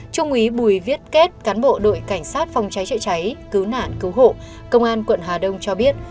trung úy bùi viết kết cán bộ đội cảnh sát phòng cháy chữa cháy cứu nạn cứu hộ công an quận hà đông cho biết